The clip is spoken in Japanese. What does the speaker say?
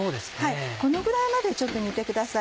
このぐらいまでちょっと煮てください。